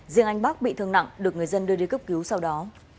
riêng anh bắc bị thương nặng được người dân đưa đi cấp cứu sau đó